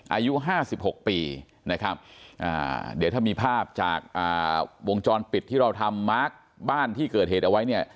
อายุ๕๖ปีนะครับเดี๋ยวถ้ามีภาพจากวงจรปิดที่เราทำมาร์คบ้านที่เกิดเหตุเอาไว้เนี่ย